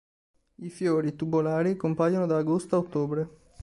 I fiori, tubolari, compaiono da agosto a ottobre.